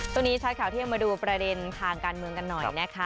ช่วงนี้ชัดข่าวเที่ยงมาดูประเด็นทางการเมืองกันหน่อยนะคะ